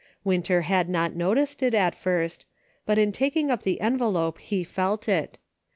Winter had not noticed it at first, but in taking up the envelope he felt it.